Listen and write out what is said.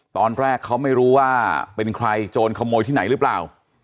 ตอนแรกเขาไม่รู้ว่าเป็นใครโจรขโมยที่ไหนหรือเปล่า